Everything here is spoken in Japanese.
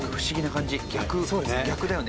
逆逆だよね？